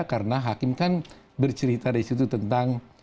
karena hakim kan bercerita disitu tentang